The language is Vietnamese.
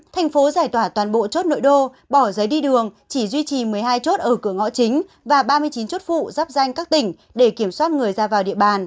thành phố giải tỏa toàn bộ chốt nội đô bỏ giấy đi đường chỉ duy trì một mươi hai chốt ở cửa ngõ chính và ba mươi chín chốt phụ rắp danh các tỉnh để kiểm soát người ra vào địa bàn